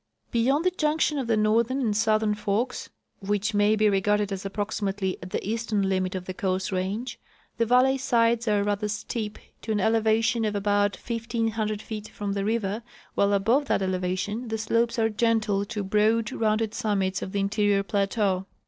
Beyond the junction of the northern and southern forks, Avhich may be regarded as approximately at the eastern limit of the Coast range, the valley sides are rather steep to an elevation of about 1,500 feet from the river, while above that elevation the slopes are gentle to broad, rounded summits of the interior jDlateau.